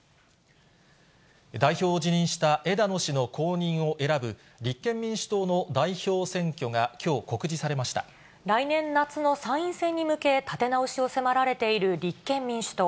代表を辞任した枝野氏の後任を選ぶ立憲民主党の代表選挙が、来年夏の参院選に向け、立て直しを迫られている立憲民主党。